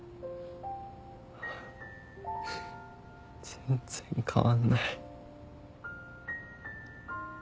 全然変わんない。